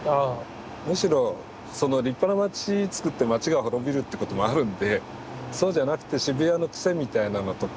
むしろその立派な街つくって街が滅びるってこともあるんでそうじゃなくて渋谷のクセみたいなのとか